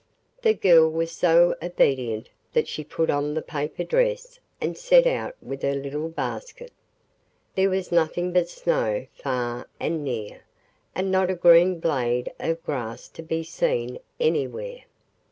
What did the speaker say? The girl was so obedient that she put on the paper dress and set out with her little basket. There was nothing but snow far and near, and not a green blade of grass to be seen anywhere.